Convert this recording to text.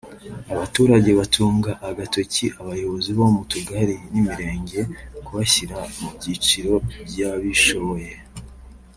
Abaturage batunga agatoki abayobozi bo mu tugari n’imirenge kubashyira mu byiciro by’abishoboye